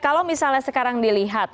kalau misalnya sekarang dilihat